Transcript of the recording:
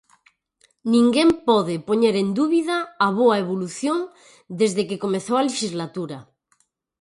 Ninguén pode poñer en dúbida a boa evolución desde que comezou a lexislatura.